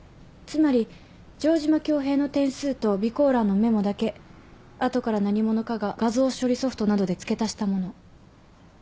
つまり城島恭平の点数と備考欄のメモだけ後から何者かが画像処理ソフトなどで付け足したもの。